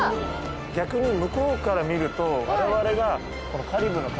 逆に向こうから見ると。